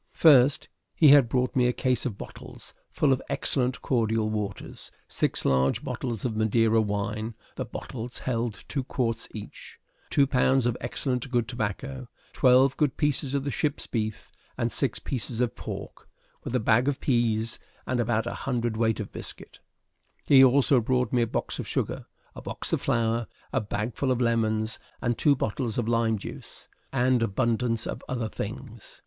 First, he had brought me a case of bottles full of excellent cordial waters, six large bottles of Madeira wine (the bottles held two quarts each), two pounds of excellent good tobacco, twelve good pieces of the ship's beef, and six pieces of pork, with a bag of peas, and about a hundred weight of biscuit; he also brought me a box of sugar, a box of flour, a bag full of lemons, and two bottles of lime juice, and abundance of other things.